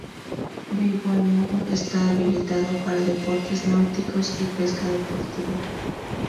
De igual modo está habilitado para deportes náuticos y pesca deportiva.